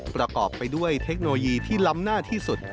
ประกอบไปด้วยเทคโนโลยีที่ล้ำหน้าที่สุด